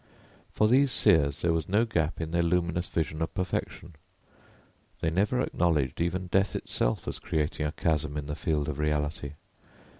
For these seers there was no gap in their luminous vision of perfection. They never acknowledged even death itself as creating a chasm in the field of reality.